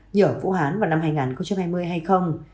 như ở vũ hán vào năm hai nghìn hai mươi hay không